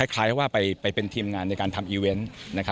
คล้ายว่าไปเป็นทีมงานในการทำอีเวนต์